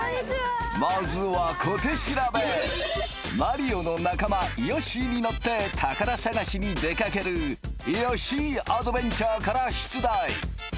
まずは小手調べマリオの仲間ヨッシーに乗って宝探しに出かけるヨッシー・アドベンチャーから出題